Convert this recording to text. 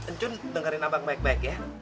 encun dengerin abang baik baik ya